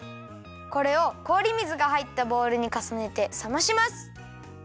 これをこおり水がはいったボウルにかさねてさまします。